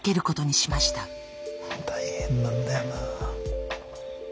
大変なんだよな。